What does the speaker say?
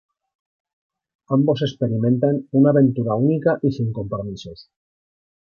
Ambos experimentan una aventura única y sin compromisos.